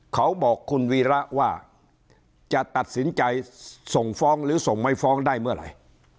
เขาบอกคุณวีระว่าจะตัดสินใจส่งฟ้องหรือส่งไม่ฟ้องได้เมื่อไหร่